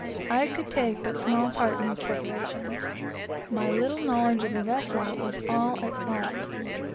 I could take but little part in all these preparations. My little knowledge of a vessel was all at fault.